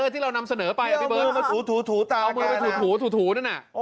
ที่เรานำเสนอไปเอามือไปถูถูตาวนั้นนะ